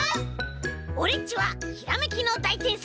オレっちはひらめきのだいてんさい！